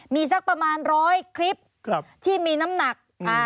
มีสักประมาณร้อยคลิปที่มีน้ำหนัก